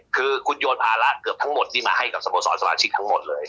คือคุณโยนภาระเกือบทั้งหมดนี้มาให้กับสโมสรสมาชิกทั้งหมดเลย